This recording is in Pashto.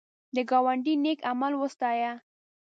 د ګاونډي نېک عمل وستایه